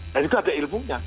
dan itu ada ilmunya